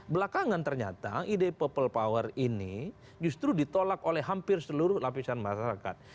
belakangan ternyata ide people power ini justru ditolak oleh hampir seluruh lapisan masyarakat